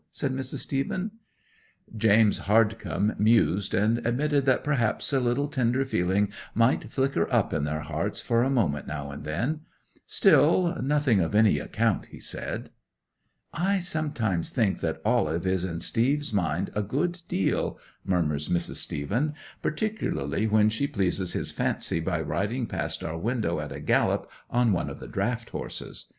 asks Mrs. Stephen. 'James Hardcome mused and admitted that perhaps a little tender feeling might flicker up in their hearts for a moment now and then. "Still, nothing of any account," he said. '"I sometimes think that Olive is in Steve's mind a good deal," murmurs Mrs. Stephen; "particularly when she pleases his fancy by riding past our window at a gallop on one of the draught horses